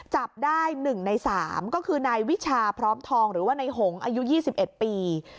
จับได้๑ใน๓ก็คือนายวิชาพร้อมทองหรือว่าในหงอายุ๒๑ปี